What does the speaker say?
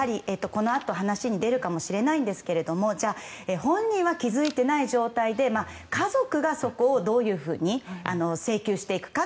このあと話に出るかもしれませんが本人は気づいていない状態で家族がそこをどういうふうに請求していくか。